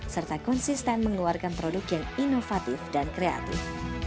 serta konsisten mengeluarkan produk yang inovatif dan kreatif